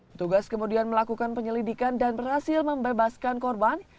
petugas kemudian melakukan penyelidikan dan berhasil membebaskan korban